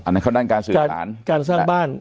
อันนั้นเข้าด้านการสื่อสาร